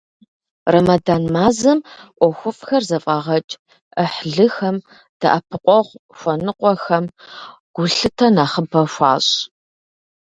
Рэмэдан мазэм ӀуэхуфӀхэр зэфӀагъэкӀ, Ӏыхьлыхэм, дэӀэпыкъуэгъу хуэныкъуэхэм гулъытэ нэхъыбэ хуащӀ.